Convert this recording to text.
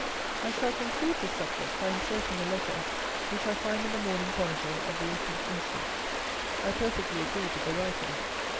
I shall conclude this subject by inserting a letter which I find in the Morning Chronicle, of the 18th instant. I perfectly agree with the writer.